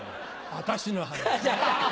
私の話。